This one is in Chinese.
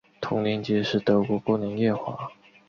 同年结识德国姑娘叶华。